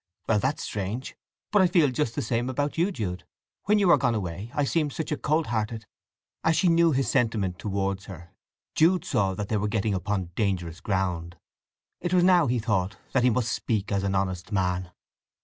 "Well, that's strange; but I feel just the same about you, Jude. When you are gone away I seem such a coldhearted—" As she knew his sentiment towards her Jude saw that they were getting upon dangerous ground. It was now, he thought, that he must speak as an honest man.